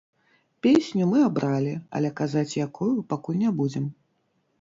Песню мы абралі, але казаць якую пакуль не будзем.